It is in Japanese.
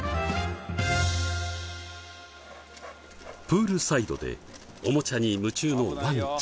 プールサイドでおもちゃに夢中のワンちゃん。